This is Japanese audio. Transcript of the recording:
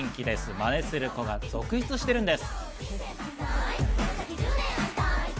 マネする子が続出しているんです。